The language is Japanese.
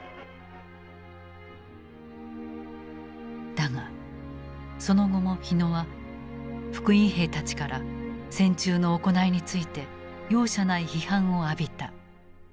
だがその後も火野は復員兵たちから戦中の行いについて容赦ない批判を浴びた。